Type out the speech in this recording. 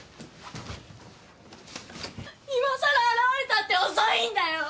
今さら現れたって遅いんだよ。